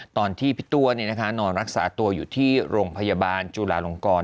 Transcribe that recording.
ตอนที่พี่ตัวนอนรักษาตัวอยู่ที่โรงพยาบาลจุลาลงกร